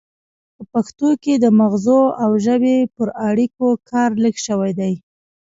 په پښتو کې د مغزو او ژبې پر اړیکو کار لږ شوی دی